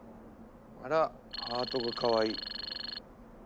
あらハートがかわいい。